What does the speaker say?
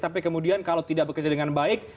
tapi kemudian kalau tidak bekerja dengan baik